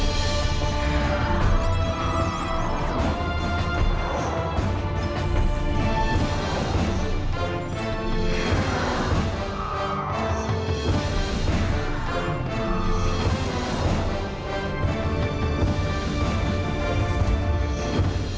มันค่อนข้างจะอำนาจมันเดินไป